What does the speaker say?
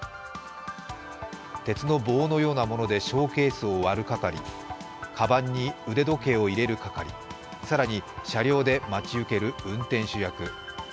鉄の棒のようなものでショーケースを割る係、かばんに腕時計を入れる係更に車両で待ち受ける運転手役。